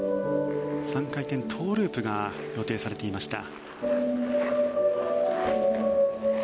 ３回転トウループが予定されていました。